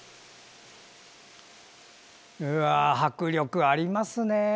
迫力ありますね。